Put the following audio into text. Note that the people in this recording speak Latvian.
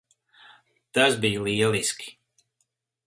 Tas bija lieliski.